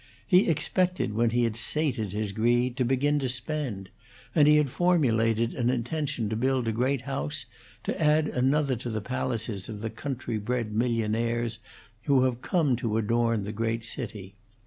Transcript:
He expected, when he had sated his greed, to begin to spend, and he had formulated an intention to build a great house, to add another to the palaces of the country bred millionaires who have come to adorn the great city.